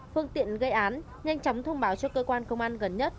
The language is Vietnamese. phương tiện gây án nhanh chóng thông báo cho cơ quan công an gần nhất